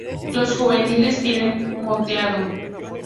Los juveniles tienen moteado.